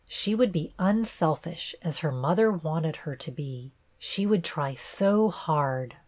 She would be unselfish, as her mother wanted her to be. She would try so hard.